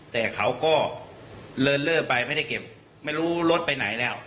แต่เขาก็เลินเล่อไปไม่ได้เก็บไม่รู้รถไปไหนแล้ว